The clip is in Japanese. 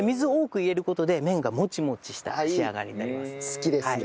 好きですね。